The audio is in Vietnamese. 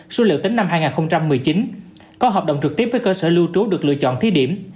số liệu tính năm hai nghìn một mươi chín có hợp đồng trực tiếp với cơ sở lưu trú được lựa chọn thí điểm